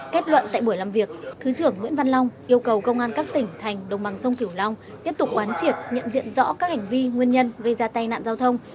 kết luận tại buổi làm việc thứ trưởng nguyễn văn long yêu cầu công an các tỉnh thành đồng bằng sông kiểu long tiếp tục oán triệt nhận diện rõ các hành vi nguyên nhân gây ra tai nạn giao thông